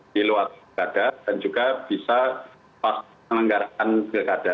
di luar pilkada dan juga bisa pas menenggarakan pilkada